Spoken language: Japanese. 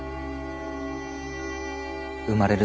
生まれる